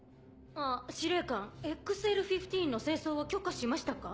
あっ司令官ＸＬ−１５の清掃を許可しましたか？